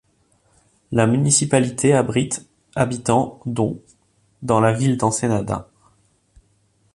La municipalité abrite habitants dont dans la ville d'Ensenada.